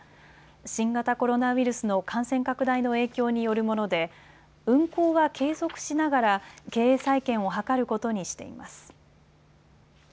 新型コロナウイルスの感染拡大の影響によるもので運航は継続しながら経営再建を図ることにしています。